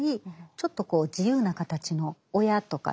ちょっとこう自由な形の親とかね